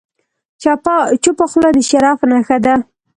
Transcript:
چپه خوله، د شرف نښه ده.